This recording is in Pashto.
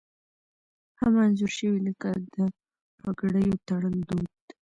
هم انځور شوي لکه د پګړیو تړل دود